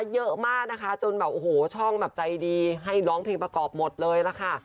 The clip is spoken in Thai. เยอะมากนะคะจนแบบโอ้โหช่องแบบใจดีให้ร้องเพลงประกอบหมดเลยล่ะค่ะ